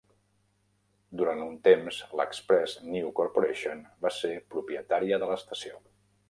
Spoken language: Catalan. Durant un temps l'Express News Corporation va ser propietària de l'estació.